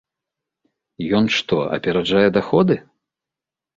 Ён што, апераджае даходы?